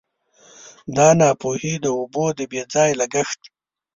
دا ناپوهي د اوبو د بې ځایه لګښت.